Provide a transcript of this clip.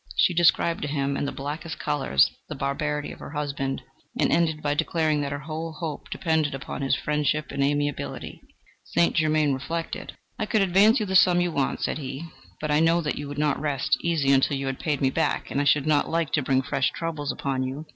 She described to him in the blackest colours the barbarity of her husband, and ended by declaring that her whole hope depended upon his friendship and amiability. "St. Germain reflected. "'I could advance you the sum you want,' said he; 'but I know that you would not rest easy until you had paid me back, and I should not like to bring fresh troubles upon you.